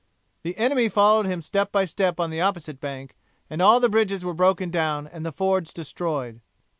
The enemy followed him step by step on the opposite bank, and all the bridges were broken down and the fords destroyed.